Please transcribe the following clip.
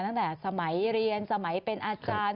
ตั้งแต่สมัยเรียนสมัยเป็นอาจารย์